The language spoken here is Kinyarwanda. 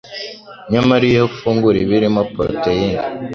Nyamara iyo ufungura ibirimo poroteyine